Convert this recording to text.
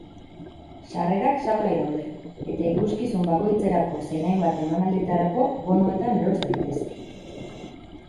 Sarrerak salgai daude, eta ikuskizun bakoitzerako zein hainbat emanalditarako bonuetan eros daitezke.